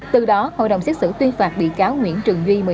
từ đó hội đồng xét xử tuyên phạt bị cáo nguyễn trường duy